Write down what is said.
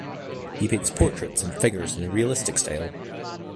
He paints portraits and figures in a realistic style.